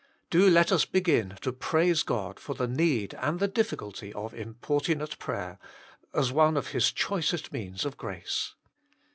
Do let us begin to praise God for the need and the difficulty of importunate prayer, as one of His choicest means of grace.